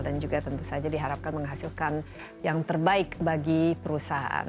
dan juga tentu saja diharapkan menghasilkan yang terbaik bagi perusahaan